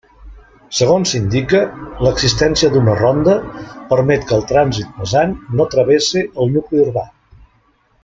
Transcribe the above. Segons s'indica, l'existència d'una ronda permet que el trànsit pesant no travesse el nucli urbà.